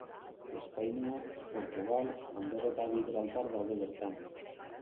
Espainia, Portugal, Andorra eta Gibraltar daude bertan.